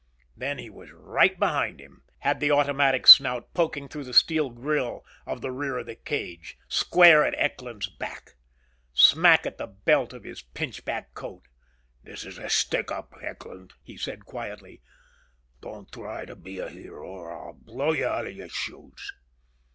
Then he was right behind him. Had the automatic snout poking through the steel grille of the rear of the cage. Square at Eckland's back. Smack at the belt of his pinchback coat. "This is a stick up, Eckland," he said quietly. "Don't try to be a hero or I'll blow you outa your shoes!"